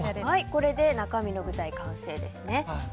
これで中身の具材が完成ですね。